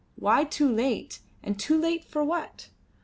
Why too late and too late for what?